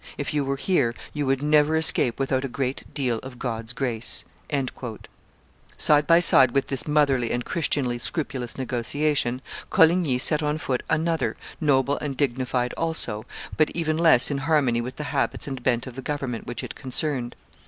If you were here, you would never escape without a great deal of God's grace." [Illustration: Admiral Gaspard de Coligny 346] Side by side with this motherly and Christianly scrupulous negotiation, Coligny set on foot another, noble and dignified also, but even less in harmony with the habits and bent of the government which it concerned.